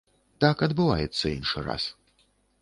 Так адбываецца іншы раз.